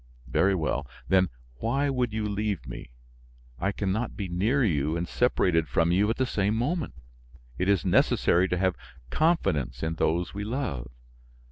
Very well, then why would you leave me? I can not be near you and separated from you at the same moment. It is necessary to have confidence in those we love.